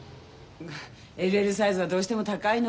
ＬＬサイズはどうしても高いのよ。